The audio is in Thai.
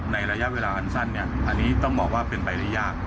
ระยะเวลาอันสั้นอันนี้ต้องบอกว่าเป็นไปได้ยาก